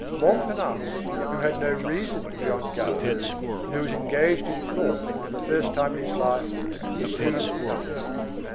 Montparnasse, who had no reason to be on his guard, and who was engaged in thought for the first time in his life, perceived nothing.